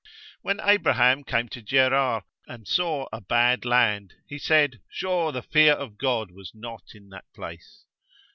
When Abraham came to Gerar, and saw a bad land, he said, sure the fear of God was not in that place.